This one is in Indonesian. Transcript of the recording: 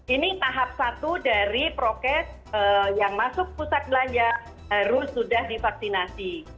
ini tahap satu dari prokes yang masuk pusat belanja harus sudah divaksinasi